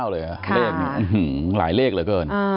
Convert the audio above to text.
๕๖๗๘๙เลยครับหลายเลขเหลือเกิน